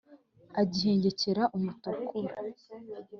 agihengekera mutukura